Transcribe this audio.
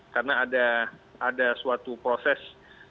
karena ada suatu proses